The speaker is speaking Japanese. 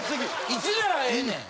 いつならええねん？